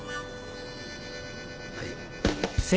はい。